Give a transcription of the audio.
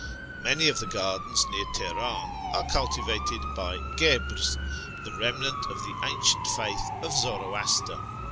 Many of the gardens near Teheran are cultivated by " Guebres," the remnant of the ancient faith of Zoroaster.